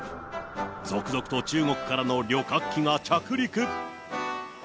続々と中国からの旅客機が着陸。